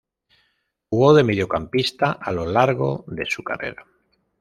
Jugó de mediocampista a lo largo de su carrera.